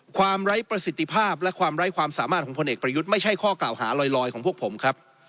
ไร้ประสิทธิภาพและความไร้ความสามารถของพลเอกประยุทธ์ไม่ใช่ข้อกล่าวหาลอยของพวกผมครับ